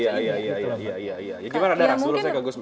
ya ya ya gimana darah suruh saya ke gusmis